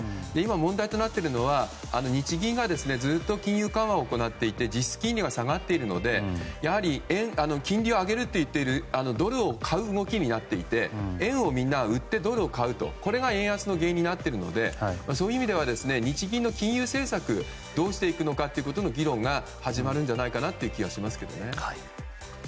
問題となっているのは日銀が金融緩和を行っていて実質金利が下がっているのでやはり金利を上げるといっているドルを買う動きになっていて円を売ってドルを買うとこれが円安の原因になってるのでそういう意味では日銀の金融政策をどうしていくのかという議論が始まるんじゃないかなという気がします。